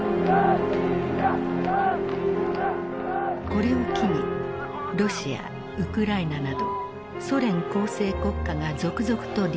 これを機にロシアウクライナなどソ連構成国家が続々と離反。